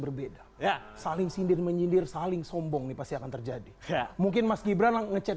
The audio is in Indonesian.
berbeda ya saling sindir menyindir saling sombong nih pasti akan terjadi mungkin mas gibran ngecek